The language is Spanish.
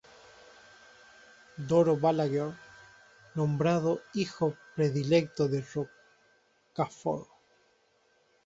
Doro Balaguer, nombrado hijo predilecto de Rocafort.